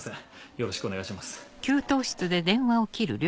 よろしくお願いします。